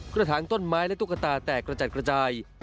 กระถางต้นไม้และตุ๊กตาแตกกระจัดกระจาย